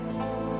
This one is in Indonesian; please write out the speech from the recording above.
tapi tidak mengapa